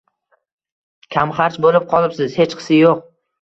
Kamxarj bo‘lib qolibsiz. Hechqisi yo‘q.